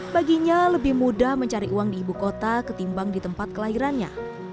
baginya lebih mudah mencari uang di ibu kota ketimbang di tempat kelahirannya